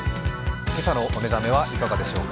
今朝のお目覚めはいかがでしょう。